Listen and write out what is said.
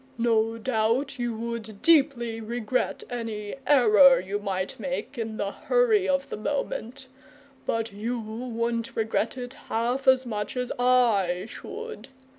"No doubt you would deeply regret any error you might make in the hurry of the moment; but you wouldn't regret it half as much as I should!